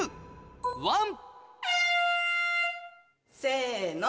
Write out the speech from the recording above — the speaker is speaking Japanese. せの。